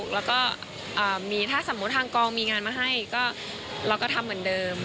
แล้วก็มีถ้าสมมุติทางกองมีงานมาให้ก็เราก็ทำเหมือนเดิม